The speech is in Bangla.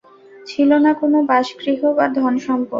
ছিল না কোন বাসগৃহ বা ধনসম্পদ।